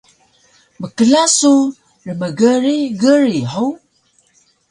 Mkla su rmgrig grig hug?